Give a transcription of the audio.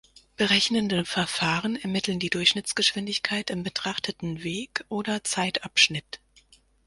Berechnende Verfahren ermitteln die Durchschnittsgeschwindigkeit im betrachteten Weg- oder Zeit-Abschnitt.